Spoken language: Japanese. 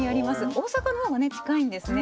大阪のほうがね近いんですね。